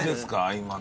今の。